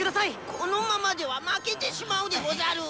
このままでは負けてしまうでござる！